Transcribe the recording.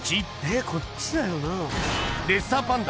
えっこっちだよな？